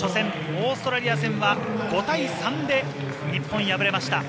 オーストラリア戦は５対３で日本敗れました。